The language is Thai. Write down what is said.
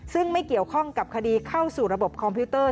ซึ่งไม่เกี่ยวข้องกับคดีเข้าสู่ระบบคอมพิวเตอร์